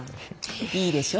いいでしょ？